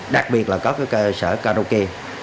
đặc biệt là các cơ sở karaoke